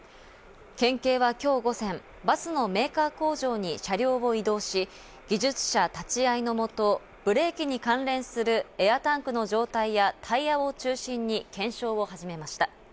県警は今日午前、バスのメーカー工場に車両を移動し、技術者立ち会いのもと、ブレーキに関連するエアタンクの状態やタイヤを中心に検証を始めました。